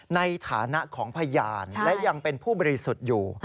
ในฐานะของพยานและยังเป็นผู้บริสุทธิ์อยู่